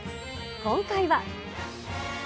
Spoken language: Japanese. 今回は。